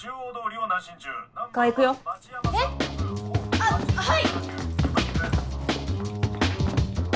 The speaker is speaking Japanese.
あっはい！